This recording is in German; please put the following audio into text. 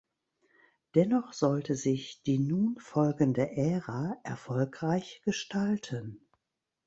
Dennoch sollte sich die nun folgende Ära erfolgreich gestalten.